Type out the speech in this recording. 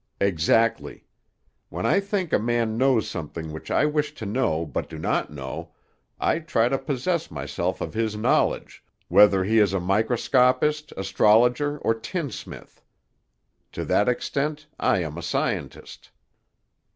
"Exactly. When I think a man knows something which I wish to know but do not know, I try to possess myself of his knowledge, whether he is microscopist, astrologer, or tinsmith. To that extent I am a scientist."